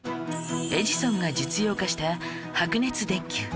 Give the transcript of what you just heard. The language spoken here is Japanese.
エジソンが実用化した白熱電球